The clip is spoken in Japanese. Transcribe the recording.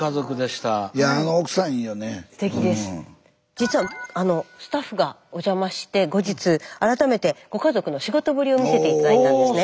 実はスタッフがお邪魔して後日改めてご家族の仕事ぶりを見せて頂いたんですね。